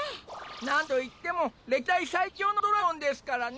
なんといっても歴代最強のドラゴンですからね。